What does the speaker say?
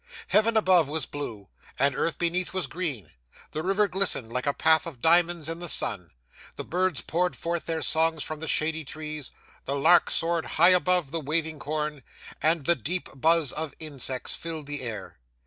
Heaven above was blue, and earth beneath was green; the river glistened like a path of diamonds in the sun; the birds poured forth their songs from the shady trees; the lark soared high above the waving corn; and the deep buzz of insects filled the air.